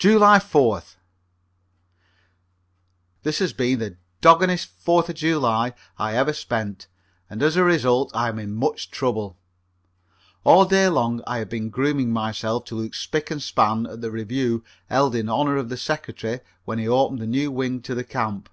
July 4th. This has been the doggonest Fourth of July I ever spent, and as a result I am in much trouble. All day long I have been grooming myself to look spic and span at the review held in honor of the Secretary when he opened the new wing to the camp.